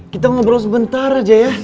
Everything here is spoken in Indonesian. kita ngobrol sebentar aja ya